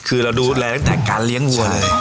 คือเราดูแลตั้งแต่การเลี้ยงวัวเลย